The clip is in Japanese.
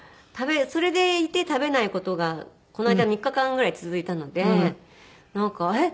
それでいて食べない事がこの間３日間ぐらい続いたのでえっ